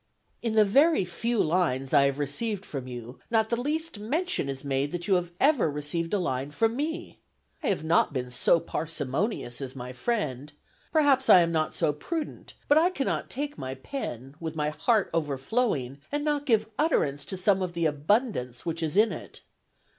"In the very few lines I have received from you, not the least mention is made that you have ever received a line from me. I have not been so parsimonious as my friend, perhaps I am not so prudent; but I cannot take my pen, with my heart overflowing, and not give utterance to some of the abundance which is in it.